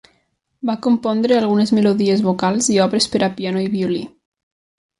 Va compondre algunes melodies vocals i obres per a piano i violí.